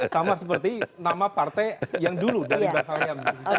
sama seperti nama partai yang dulu dari batalian